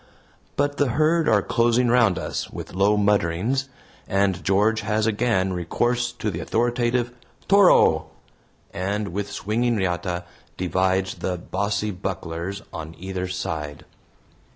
But the herd are closing round us with low mutterings, and George has again recourse to the authoritative "TORO," and with swinging riata divides the "bossy bucklers" on either side.